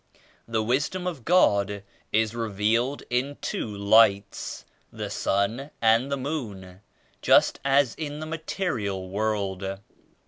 The Wisdom of God is re vealed in two Lights, the *Sun' and the *Moon.' just as in the material world.